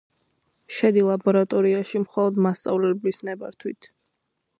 შედი ლაბორატორიაში მხოლოდ მასწავლებლის ნებართვიტ